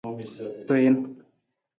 Tuwiin.